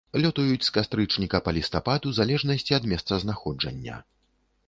Лётаюць з кастрычніка па лістапад у залежнасці ад месцазнаходжання.